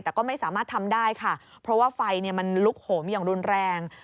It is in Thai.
แต่ก็ไม่สามารถทำได้ค่ะเพราะว่าไฟมันลุกโหมอย่างรุนแรง